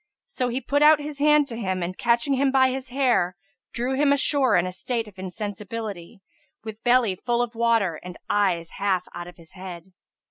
So he put out his hand to him and, catching him by his hair, drew him ashore in a state of insensibility, with belly full of water and eyes half out of his head.